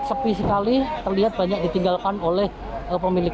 rencananya mau kemana